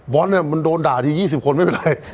บอลมันโดนด่าที๒๐คนไม่เป็นไร